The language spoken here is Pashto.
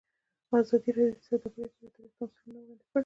ازادي راډیو د سوداګري په اړه تاریخي تمثیلونه وړاندې کړي.